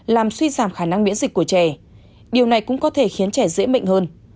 làm suy giảm khả năng miễn dịch của trẻ điều này cũng có thể khiến trẻ dễ mệnh hơn